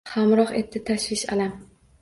Hamroh edi tashvish, alam